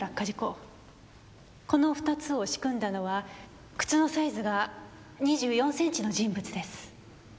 この２つを仕組んだのは靴のサイズが２４センチの人物です。